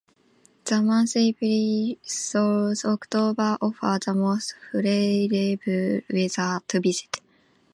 The months April through October offer the most favorable weather to visit.